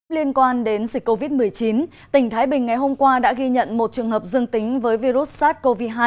liên quan đến dịch covid một mươi chín tỉnh thái bình ngày hôm qua đã ghi nhận một trường hợp dương tính với virus sars cov hai